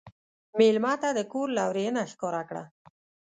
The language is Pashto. مېلمه ته د کور لورینه ښکاره کړه.